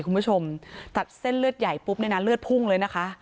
คุณผู้ชมตัดเส้นเลือดใหญ่ปุ๊บเนี่ยนะเลือดพุ่งเลยนะคะ